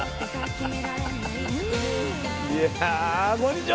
いやこんにちは。